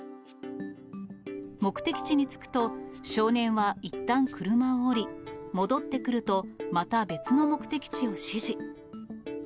目的地に着くと、少年はいったん車を降り、戻ってくると、また別の目的地を指示。